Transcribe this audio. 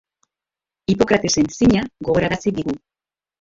Hipokratesen zina gogorarazi digu.